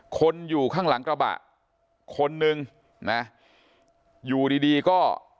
คนอยู่ข้างหลังกระบะคนนึงนะอยู่ดีดีก็